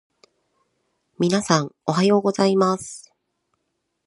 皆さん、おはようございます。